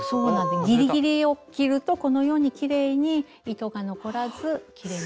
ギリギリを切るとこのようにきれいに糸が残らずきれいに。